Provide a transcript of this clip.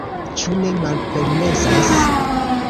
Ĉu ne malpermesas?